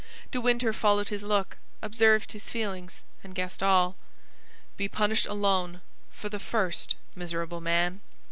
De Winter followed his look, observed his feelings, and guessed all. "Be punished alone, for the first, miserable man!"